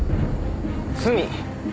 罪？